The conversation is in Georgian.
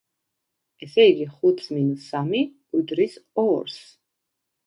ესე იგი, ხუთს მინუს სამი უდრის ორს.